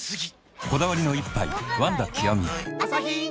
こだわりの一杯「ワンダ極」